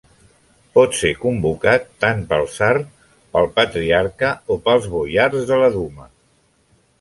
Pot ser convocat tant pel Tsar, pel Patriarca o pels boiars de la Duma.